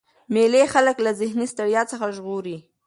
مېلې خلک له ذهني ستړیا څخه ژغوري.